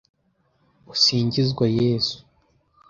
usingizwa yezu